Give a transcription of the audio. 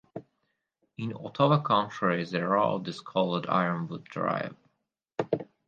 In Ottawa County, the road is called Ironwood Drive.